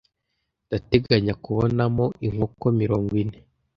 ndateganya kubonamo inkoko mirongo ine